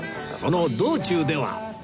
その道中では